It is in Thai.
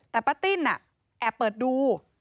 แต่ป้าติ้นแอบเปิดดู